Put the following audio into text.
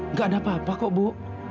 nggak ada apa apa kok bu